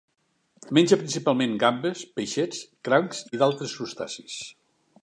Menja principalment gambes, peixets, crancs i d'altres crustacis.